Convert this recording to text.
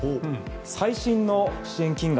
最新の支援金額